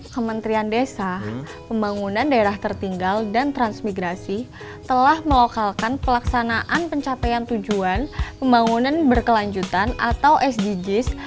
kementerian desa pembangunan daerah tertinggal dan transmigrasi telah melokalkan pelaksanaan pencapaian tujuan pembangunan berkelanjutan atau sdgs